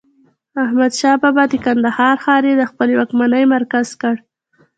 احمدشاه بابا د کندهار ښار يي د خپلې واکمنۍ مرکز کړ.